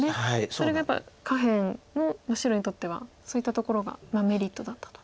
それがやっぱり下辺の白にとってはそういったところがメリットだったと。